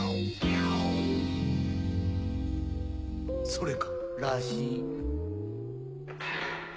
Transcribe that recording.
それか？らしい。